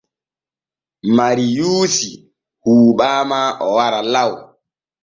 Mariyuusi huuɓaama o wara law.